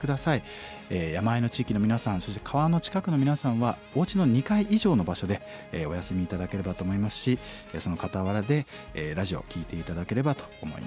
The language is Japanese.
山あいの地域の皆さんそして川の近くの皆さんはおうちの２階以上の場所でお休み頂ければと思いますしその傍らでラジオ聴いて頂ければと思います。